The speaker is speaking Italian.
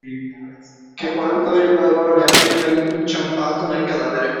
Che quando il barone aveva inciampato nel cadavere